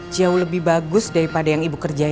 jauh lebih bagus daripada yang ibu kerjain